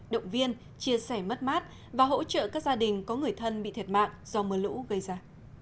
động viên chia sẻ mất mát và hỗ trợ các gia đình có người thân bị thiệt mạng do mưa lũ gây ra